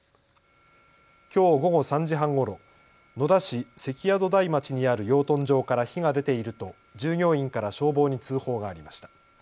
きょう午後３時半ごろ、野田市関宿台町にある養豚場から火が出ていると従業員から消防に通報がありました。